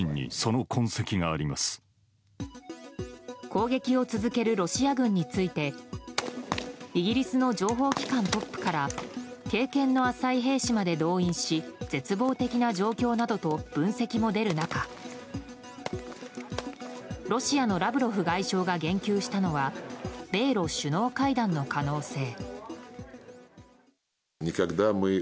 攻撃を続けるロシア軍についてイギリスの情報機関トップから経験の浅い兵士まで動員し絶望的な状況などと分析も出る中ロシアのラブロフ外相が言及したのは米ロ首脳会談の可能性。